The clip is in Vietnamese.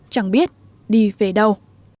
chẳng biết đi về đâu